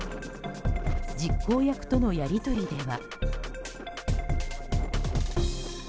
実行役とのやり取りでは。